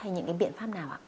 hay những biện pháp nào ạ